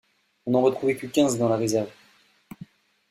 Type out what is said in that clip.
On n'en retrouvais que quinze dans la réserve.